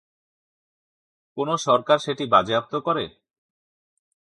কোন সরকার সেটি বাজেয়াপ্ত করে?